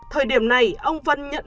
thời điểm này ông vân nhận